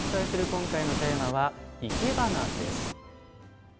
今回のテーマは「いけばな」です。